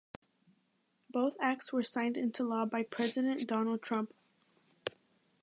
Both acts were signed into law by President Donald Trump.